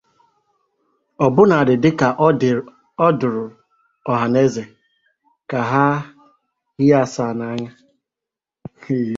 ọbụnadị dịka ọ dụrụ ọhanaeze ka ha hie asaa n'anya